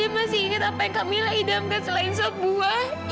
kamu masih ingat apa yang kamila idamkan selain sebuah